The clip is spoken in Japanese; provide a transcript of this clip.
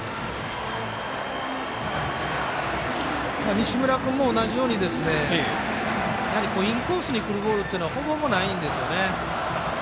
西村君も同じようにやはり、インコースにくるボールっていうのはほぼほぼ、ないんですよね。